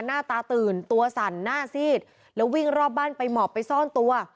หน้าตาตื่นตัวสั่นหน้าซีดแล้ววิ่งรอบบ้านไปหมอบไปซ่อนตัว